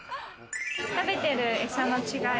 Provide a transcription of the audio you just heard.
食べてるエサの違い。